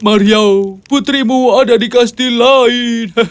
mario putrimu ada di kastil lain hehehe